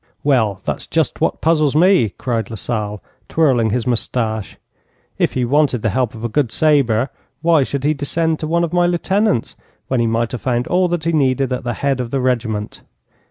'Well, that's just what puzzles me,' cried Lasalle, twirling his moustache. 'If he wanted the help of a good sabre, why should he descend to one of my lieutenants when he might have found all that he needed at the head of the regiment?